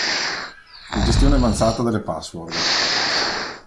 La gestione avanzata delle password.